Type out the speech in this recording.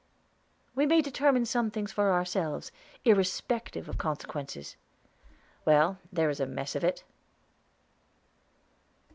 "We may determine some things for ourselves, irrespective of consequences." "Well, there is a mess of it."